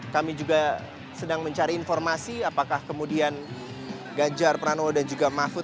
kami juga sedang mencari informasi apakah kemudian ganjar pranowo dan juga mahfud